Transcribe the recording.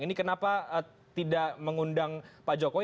ini kenapa tidak mengundang pak jokowi